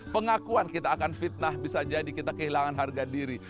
pengakuan kita akan fitnah bisa jadi kita kehilangan harga diri